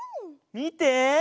みて！